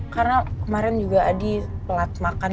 karena kemarin juga adi telat makan